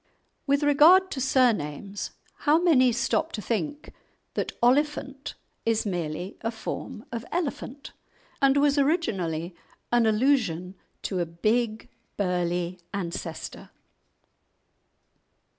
With regard to surnames, how many stop to think that "Oliphant" is merely a form of "elephant," and was originally an allusion to a big, burly ancestor?